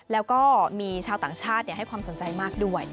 แล้วก็มีชาวต่างชาติให้ความสนใจมากด้วย